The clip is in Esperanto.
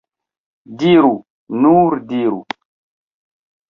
Diru, nur diru!